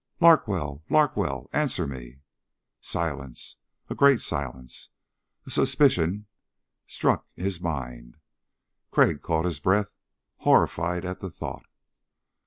"Larkwell! Larkwell, answer me!" Silence. A great silence. A suspicion struck his mind. Crag caught his breath, horrified at the thought.